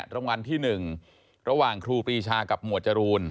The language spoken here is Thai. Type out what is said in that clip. รางวัลที่๑ระหว่างครูปรีชากับหมวดจรูน